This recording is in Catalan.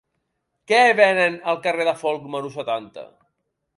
Què venen al carrer de Folc número setanta?